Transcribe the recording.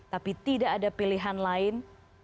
tapi tidak ada pilihan lain